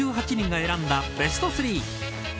１０５８人が選んだベスト３。